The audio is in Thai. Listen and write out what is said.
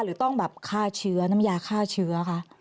หรือต้องแบบฆ่าเชื้อน้ำยาฆ่าเชื้อคะ